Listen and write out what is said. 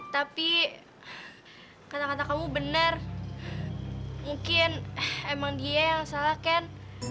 tapi kata kata kamu benar mungkin emang dia yang salah kan